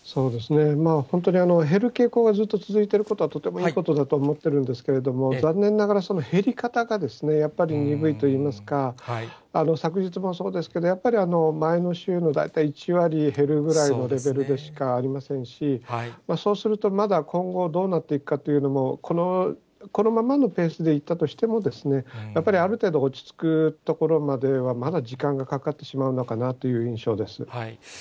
本当に減る傾向がずっと続いていることはとてもいいことだと思っているんですけれども、残念ながらその減り方が、やっぱり鈍いといいますか、昨日もそうですけど、やっぱり、前の週の大体１割減るぐらいのレベルでしかありませんし、そうするとまだ今後どうなっていくかというのも、このままのペースでいったとしても、やっぱりある程度落ち着くところまでは、まだ時間がかかってしまうのかなという印象です。